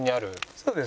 そうです。